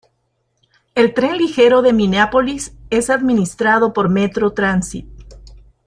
El Tren Ligero de Minneapolis es administrado por Metro Transit.